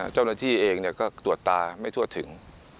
เจ้าหน้าที่เองก็ตรวจตาไม่ทั่วถึง